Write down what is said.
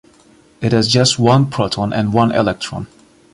It has just one proton and one electron.